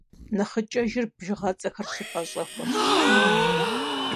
Нэхъыкӏэжыр бжыгъэцӏэхэр щыпӏэщӏэхуарщ.